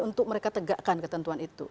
untuk mereka tegakkan ketentuan itu